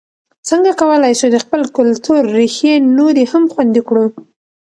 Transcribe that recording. څنګه کولای سو د خپل کلتور ریښې نورې هم خوندي کړو؟